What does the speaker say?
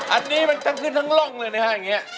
อันนี้มันตั้งขึ้นทั้งร่องเลยนะ